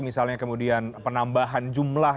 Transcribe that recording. misalnya kemudian penambahan jumlah